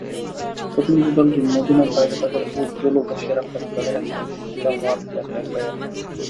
প্রতিনিধি দলটি মদীনার বাইরে তাদের উটগুলো বসিয়ে রাখল এবং তাদের একজনকে কাজাওয়ায় রেখে এল।